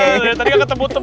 tadi gak ketemu temu